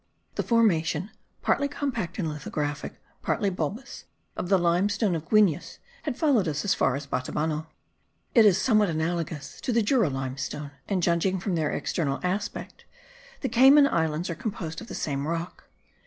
The formation, partly compact and lithographic, partly bulbous, of the limestone of Guines, had followed us as far as Batabano. It is somewhat analogous to Jura limestone; and, judging from their external aspect, the Cayman Islands are composed of the same rock.